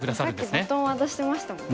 さっきバトン渡してましたもんね。